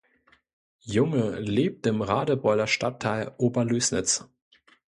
Junge lebt im Radebeuler Stadtteil Oberlößnitz.